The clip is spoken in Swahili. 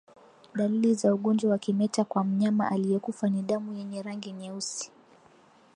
Dalili za ugonjwa wa kimeta kwa mnyama aliyekufa ni damu yenye rangi nyeusi